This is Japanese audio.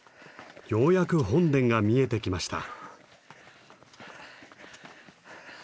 ようやく本殿が見えてきました。